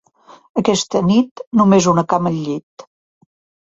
Aquesta nit, només una cama al llit.